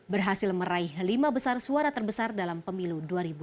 berhasil meraih lima besar suara terbesar dalam pemilu dua ribu dua puluh